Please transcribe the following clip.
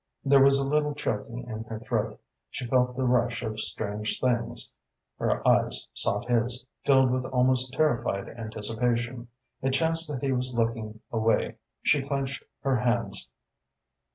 There was a little choking in her throat. She felt the rush of strange things. Her eyes sought his, filled with almost terrified anticipation. It chanced that he was looking away. She clenched her hands.